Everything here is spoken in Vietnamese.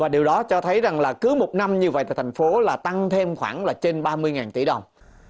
điều đó cho thấy rằng là cứ một năm như vậy thì thành phố là tăng thêm khoảng là trên ba mươi tỷ đồng